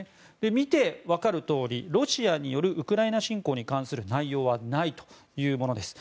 見て分かるとおりロシアによるウクライナ侵攻の内容はないというものです。